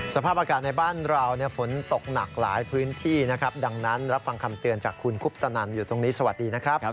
สภาพอากาศในบ้านเราฝนตกหนักหลายพื้นที่นะครับดังนั้นรับฟังคำเตือนจากคุณคุปตนันอยู่ตรงนี้สวัสดีนะครับ